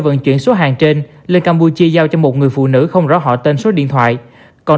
vận chuyển số hàng trên lên campuchia giao cho một người phụ nữ không rõ họ tên số điện thoại còn